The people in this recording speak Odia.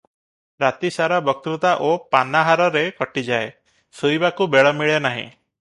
ରାତି ସାରା ବକ୍ତୃତା ଓ ପାନାହାରରେ କଟିଯାଏ, ଶୋଇବାକୁ ବେଳ ମିଳେ ନାହିଁ ।